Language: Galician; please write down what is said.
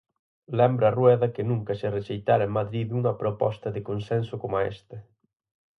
Lembra Rueda que nunca se rexeitara en Madrid unha proposta de consenso coma esta.